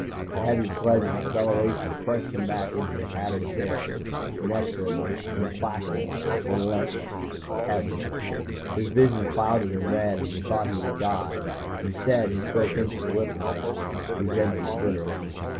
The heavy sledge of acceleration crushed him back into the padded chair, inexorable, implacable, relentless, heavy. His vision clouded in red and he thought he would die. Instead, he spoke into the lip mike, resenting it bitterly.